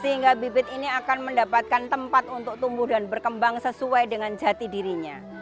sehingga bibit ini akan mendapatkan tempat untuk tumbuh dan berkembang sesuai dengan jati dirinya